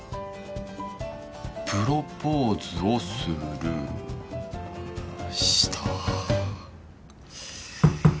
「プロポーズをする」した。